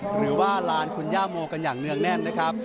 หรือว่าลานคุณย่าโมกันอย่างเนื่องแน่นนะครับ